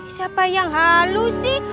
siapa yang halu sih